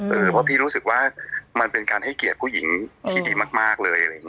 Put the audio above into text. เพราะพี่รู้สึกว่ามันเป็นการให้เกียรติผู้หญิงที่ดีมากเลย